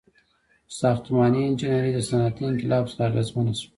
• ساختماني انجینري د صنعتي انقلاب څخه اغیزمنه شوه.